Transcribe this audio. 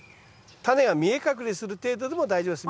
タネが見え隠れする程度でも大丈夫です。